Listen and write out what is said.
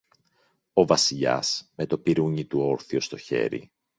Ο Βασιλιάς, με το πιρούνι του όρθιο στο χέρι